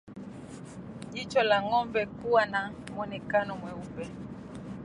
Jicho la ngombe kuwa na mwonekano mweupe